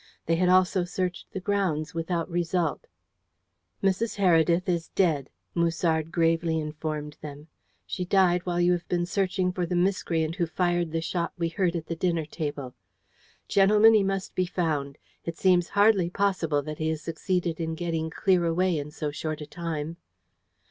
They had also searched the grounds, without result. "Mrs. Heredith is dead," Musard gravely informed them. "She died while you have been searching for the miscreant who fired the shot we heard at the dinner table. Gentlemen, he must be found. It seems hardly possible that he has succeeded in getting clear away in so short a time."